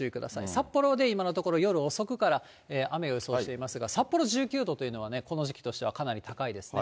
札幌で今のところ、夜遅くから雨を予想していますが、札幌１９度というのはね、この時期としてはかなり高いですね。